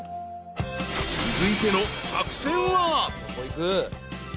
［続いての作戦は］